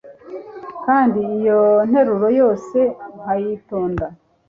Kandi iyo nteruro yose nkayitonda.